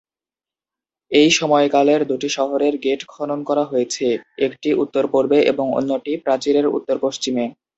এই সময়কালের দুটি শহরের গেট খনন করা হয়েছে, একটি উত্তর-পূর্বে এবং অন্যটি প্রাচীরের উত্তর-পশ্চিমে।